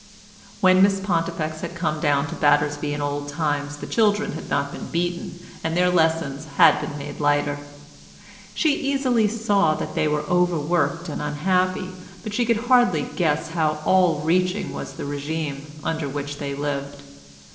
When Miss Pontifex had come down to Battersby in old times the children had not been beaten, and their lessons had been made lighter. She easily saw that they were overworked and unhappy, but she could hardly guess how all reaching was the régime under which they lived.